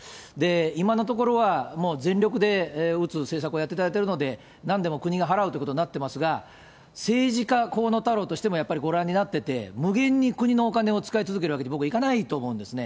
今のところはもう全力で打つ政策をやっていただいているので、なんでも国が払うということになっていますが、政治家、河野太郎としてもやっぱりご覧になってて、無限に国のお金を使い続けるわけに僕はいかないと思うんですね。